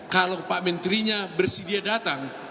kalau pak menterinya bersedia datang